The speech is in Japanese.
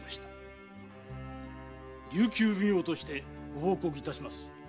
琉球奉行としてご報告いたします。